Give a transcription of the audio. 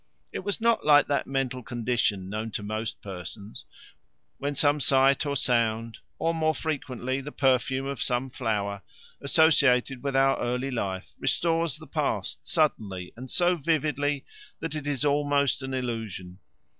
It was not like that mental condition, known to most persons, when some sight or sound or, more frequently, the perfume of some flower, associated with our early life, restores the past suddenly and so vividly that it is almost an illusion.